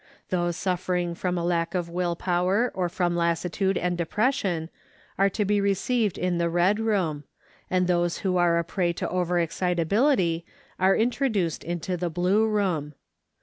Those suffering from a lack of will power or from lassitude and depression are to be received in the red room, and those who are a prey to over excitability are introduced into the blue room.